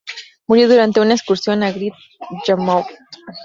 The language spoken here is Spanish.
Murió durante una excursión a Great Yarmouth.